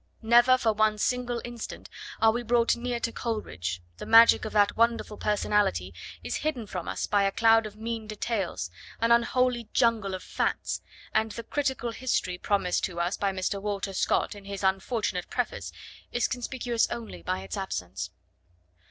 Never for one single instant are we brought near to Coleridge; the magic of that wonderful personality is hidden from us by a cloud of mean details, an unholy jungle of facts, and the 'critical history' promised to us by Mr. Walter Scott in his unfortunate preface is conspicuous only by its absence.